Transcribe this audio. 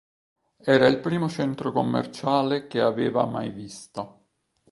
Era il primo centro commerciale che aveva mai visto.